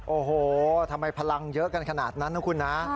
โอ้โหทำไมพลังเยอะกันขนาดนั้นนะคุณนะ